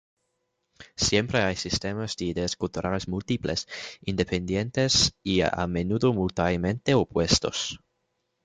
Siempre hay sistemas de ideas culturales múltiples, independientes y a menudo mutuamente opuestos.